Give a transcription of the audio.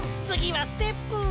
つぎはステップ！